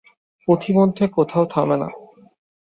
পথিমধ্যে কোথাও থামে না।